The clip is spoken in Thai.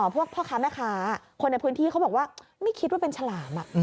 พ่อค้าแม่ค้าคนในพื้นที่เขาบอกว่าไม่คิดว่าเป็นฉลาม